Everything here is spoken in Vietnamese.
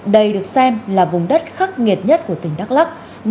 đây được xem là vùng đất khắc nghiệt nhất của tỉnh đắk lắc